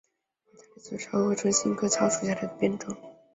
薄叶大理糙苏为唇形科糙苏属下的一个变种。